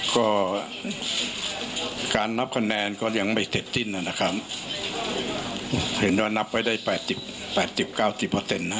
ก็การนับคะแนนก็ยังไม่เสร็จจิ้นนะครับเห็นว่านับไว้ได้๘๐๙๐นะครับ